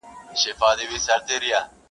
تش په نامه یې د اشرف المخلوقات نه منم,